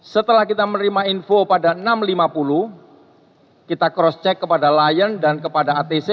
setelah kita menerima info pada enam ratus lima puluh kita cross check kepada lion dan kepada atc